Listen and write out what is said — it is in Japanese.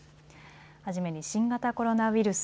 初めに新型コロナウイルス。